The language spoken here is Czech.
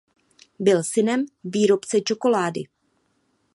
Byl synem výrobce čokolády.